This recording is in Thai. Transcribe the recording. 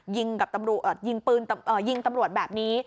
ยิงกับตำรวจยิงปืนยิงตำรวจแบบนี้